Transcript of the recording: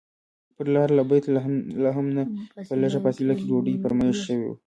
پر لاره له بیت لحم نه په لږه فاصله کې ډوډۍ فرمایش شوی و.